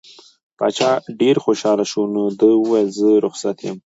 باچا ډېر خوشحاله شو نو ده وویل زه رخصت یم.